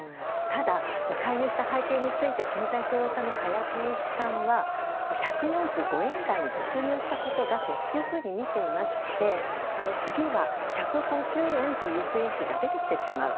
ただ、介入した背景について経済評論家の加谷珪一さんは１４５円台に突入したことだとみていまして次は１５０円という雰囲気が出てきてしまう。